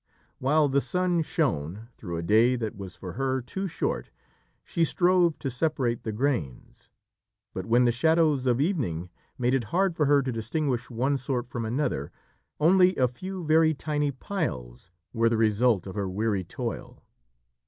While the sun shone, through a day that was for her too short, she strove to separate the grains, but when the shadows of evening made it hard for her to distinguish one sort from another, only a few very tiny piles were the result of her weary toil.